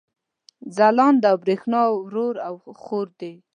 ځلاند او برېښنا رور او حور دي